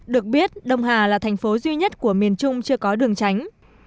được biết đông hà là thành phố duy nhất của miền trung chưa có đường tránh